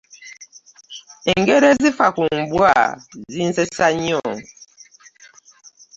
Engero ezifa ku mbwa zinsesa nnyo.